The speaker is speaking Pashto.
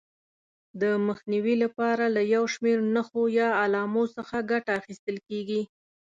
د مخنیوي لپاره له یو شمېر نښو یا علامو څخه ګټه اخیستل کېږي.